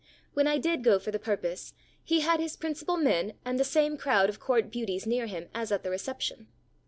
When I did go for the purpose, he had his principal men and the same crowd of court beauties near him as at the recep tion.